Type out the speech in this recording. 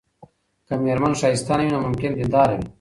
که ميرمن ښايسته نه وي، نو ممکن دينداره وي